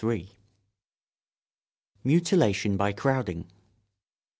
[Sidenote: Mutilation by crowding.